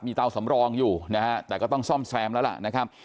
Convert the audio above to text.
เตาสำรองอยู่นะฮะแต่ก็ต้องซ่อมแซมแล้วล่ะนะครับ